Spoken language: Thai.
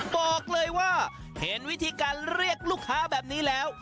บอกเลยว่าเห็นวิธีการเรียกลูกค้าแบบนี้แล้ว